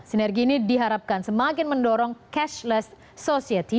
sinergi ini diharapkan semakin mendorong cashless society